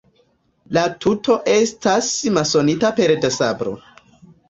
La tuto estas masonita pere de sablo.